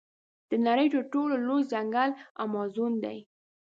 د نړۍ تر ټولو لوی ځنګل امازون دی.